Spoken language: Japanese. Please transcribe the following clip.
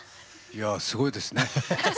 いやすごいですね。